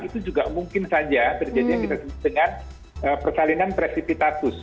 itu juga mungkin saja terjadi dengan persalinan presisitatus